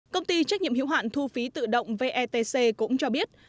công ty trách nhiệm hiệu hạn thu phí tự động vetc cũng cho biết